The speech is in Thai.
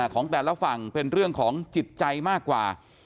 ของแต่ละฝั่งเป็นเรื่องของจิตใจมากกว่า